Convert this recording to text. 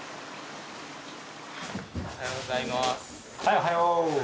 おはようございます。